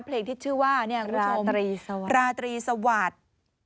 เพลงที่ชื่อว่าราตรีราตรีสวัสดิ์